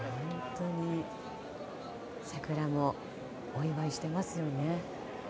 桜もお祝いしてますよね。